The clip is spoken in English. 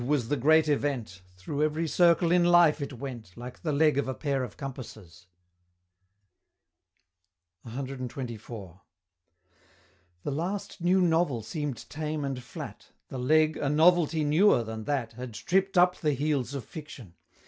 was the great event, Through every circle in life it went, Like the leg of a pair of compasses. CXXIV. The last new Novel seem'd tame and flat, The Leg, a novelty newer than that, Had tripp'd up the heels of Fiction!